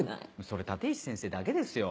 それ立石先生だけですよ。